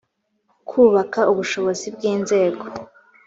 kubaka ubushobozi bw inzego